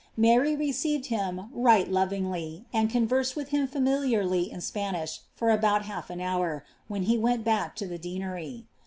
Mary received him " right lovingly," and con» versed wilh him faradiarly in Spanish, for about half an houri when bv. went bank to the deanery.'